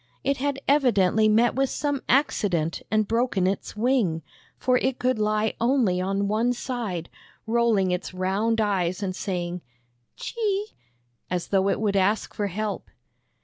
It had evidently met with some accident and broken its wing, for it could lie only on one side, rolling its round eyes and saying, " Chee! " as though it would ask for help.